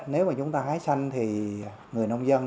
nếu mà chúng ta hái xanh thì người nông dân